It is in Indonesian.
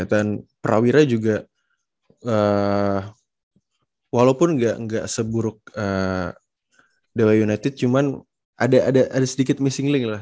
dan prawira juga walaupun gak seburuk dewa united cuman ada sedikit missing link lah